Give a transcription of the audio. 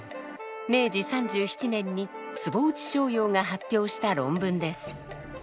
明治３７年に坪内逍遙が発表した論文です。